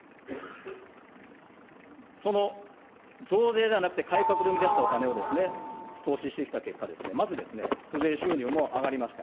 その増税ではなくて改革で生み出したお金を投資してきた結果、まず、府税収入も上がりました。